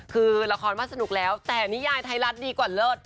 คือละครว่าสนุกแล้วแต่นิยายไทยรัฐดีกว่าเลิศ